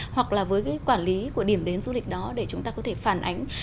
hoặc là với cái quản lý của điểm đến du lịch đó để chúng ta có thể phản ánh